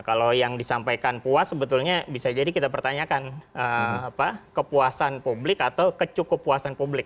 kalau yang disampaikan puas sebetulnya bisa jadi kita pertanyakan kepuasan publik atau kecukup puasan publik